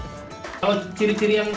kalau ciri ciri yang sehat itu gimana jendral